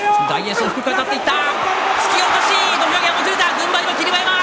軍配は霧馬山。